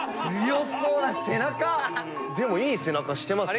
でもいい背中してますね。